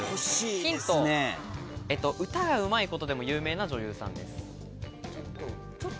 ヒント、歌がうまいことでも有名な女優さんです。